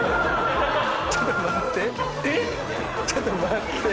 ちょっと待って。